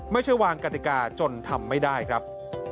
ไม่ใช่วางกติกาจนทำไม่ได้ครับ